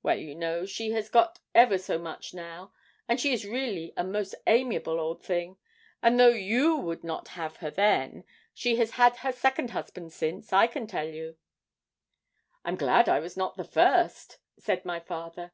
Well, you know, she has got ever so much now, and she is really a most amiable old thing, and though you would not have her then, she has had her second husband since, I can tell you.' 'I'm glad I was not the first,' said my father.